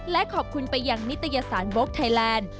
และขอบคุณไปยังนิตยสารโว๊คไทยแลนด์